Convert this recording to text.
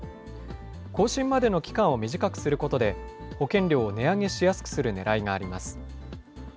更新までの期間を短くすることで、保険料を値上げしやすくするねらいがあります。